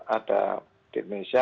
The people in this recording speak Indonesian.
ada di indonesia